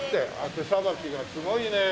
手さばきがすごいね！